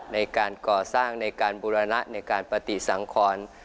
ในการก่อสร้างในการบูรณะในการปฏิสังคร